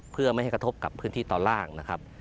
เพื่อไม่ให้กระทบกับพื้นที่ตอนล่างนะครับ